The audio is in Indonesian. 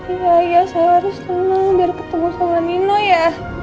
iya iya saya harus senang biar ketemu sama nino ya